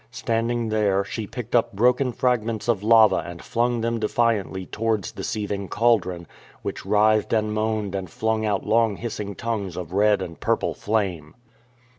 Standing there, she picked up broken fragments of lava and flung them defiantly towards the seething cauldron, which writhed and moaned and flung out long hissing tongues of red and purple flame.